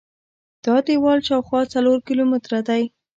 دا دیوال شاوخوا څلور کیلومتره دی.